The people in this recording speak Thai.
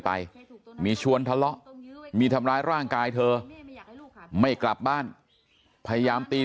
ไปมีชวนทะเลาะมีทำร้ายร่างกายเธอไม่กลับบ้านพยายามตี